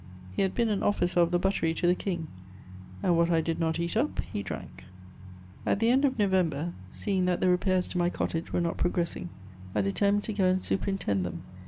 He had been an officer of the buttery to the King, and what I did not eat up he drank. At the end of November, seeing that the repairs to my cottage were not progressing, I determined to go and superintend them.